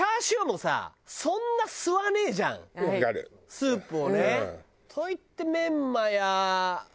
スープをね。といってメンマやねえ？